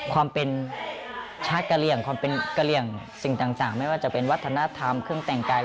ความเป็นชาติกระเรียงสิ่งต่างไม่ว่าจะเป็นวัฒนธรรมเครื่องแต่งกาย